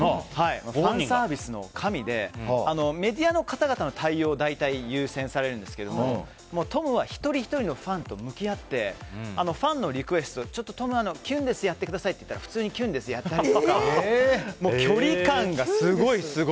ファンサービスの神でメディアの方々の対応を大体、優先されるんですがトムは一人ひとりのファンと向き合って、ファンのリクエストちょっとトムキュンですやってくださいって言われたら普通にキュンですをやったりとか距離感がすごい。